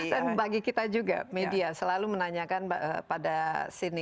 bagi kita juga media selalu menanyakan pada sini